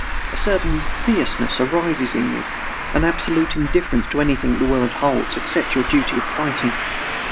A certain fierceness arises in you, an absolute indifference to anything the world holds except your duty of fighting.